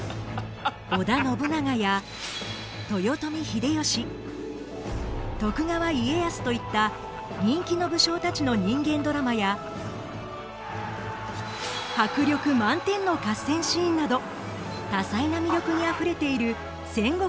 織田信長や豊臣秀吉徳川家康といった人気の武将たちの人間ドラマや迫力満点の合戦シーンなど多彩な魅力にあふれている戦国大河。